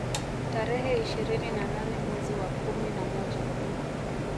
Tarehe ishirini na nane mwezi wa kumi na moja